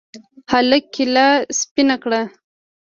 هلك کېله سپينه کړه.